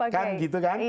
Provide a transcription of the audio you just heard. nah itu pak gai